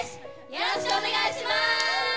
よろしくお願いします。